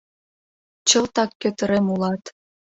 — Чылтак кӧтырем улат...